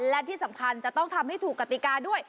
และที่สำคัญจะต้องทำให้ถูกกติกาด้วย